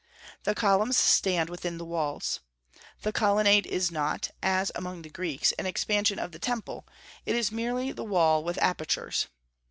The columns stand within the walls. The colonnade is not, as among the Greeks, an expansion of the temple; it is merely the wall with apertures.